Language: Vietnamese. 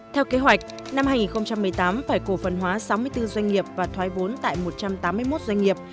theo kế hoạch năm hai nghìn một mươi tám phải cổ phần hóa sáu mươi bốn doanh nghiệp và thoái vốn tại một trăm tám mươi một doanh nghiệp